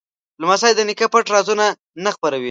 لمسی د نیکه پټ رازونه نه خپروي.